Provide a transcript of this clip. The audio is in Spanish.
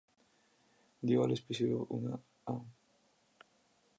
Dio al episodio un A-.